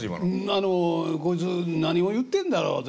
あの「こいつ何を言ってんだろう」って。